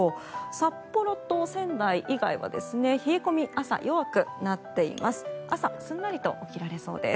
札幌と仙台以外は冷え込み朝、弱くなっています。